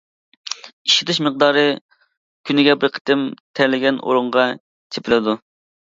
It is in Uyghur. ئىشلىتىش مىقدارى: كۈنىگە بىر قېتىم تەرلىگەن ئورۇنغا چېپىلىدۇ.